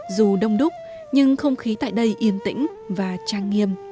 dù đông đúc nhưng không khí tại đây yên tĩnh và trang nghiêm